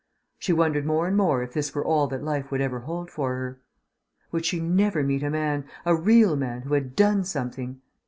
she wondered more and more if this were all that life would ever hold for her. Would she never meet a man, a real man who had done something?